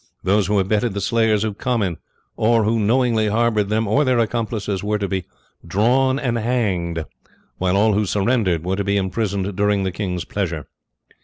Those who abetted the slayers of Comyn, or who knowingly harboured them or their accomplices, were to be "drawn and hanged," while all who surrendered were to be imprisoned during the king's pleasure.